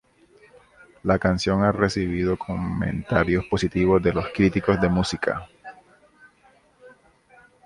La canción ha recibido comentarios positivos de los críticos de música.